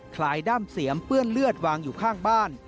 ลายด้ามเสียมเปื้อนเลือดวางอยู่ข้างบ้าน